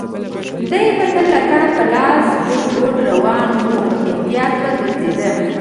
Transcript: دی به تل لکړه په لاس ګوډ ګوډ روان و، په احتیاط به ګرځېده.